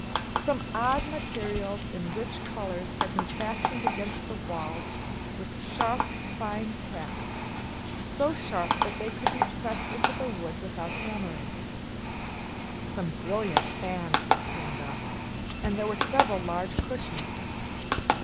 Some odd materials in rich colors had been fastened against the walls with sharp, fine tacks so sharp that they could be pressed into the wood without hammering. Some brilliant fans were pinned up, and there were several large cushions.